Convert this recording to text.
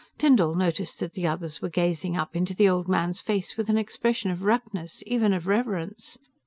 Tyndall noticed that the others were gazing up into the old man's face with an expression of raptness, even of reverence.